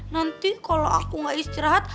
nanti kalau aku gak istirahat